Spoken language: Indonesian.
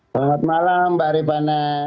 selamat malam mbak rebana